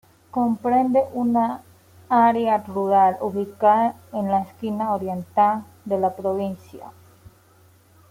Comprende un área rural ubicada en la esquina oriental de la provincia.